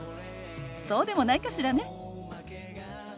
そうでもないかしらね。